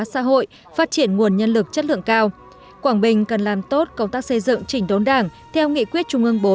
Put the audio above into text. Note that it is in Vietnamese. xã hội phát triển nguồn nhân lực chất lượng cao quảng bình cần làm tốt công tác xây dựng chỉnh đốn đảng theo nghị quyết trung ương bốn